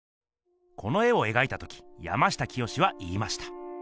この絵をえがいた時山下清は言いました。